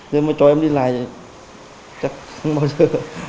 nên mà cho em đi lại chắc không bao giờ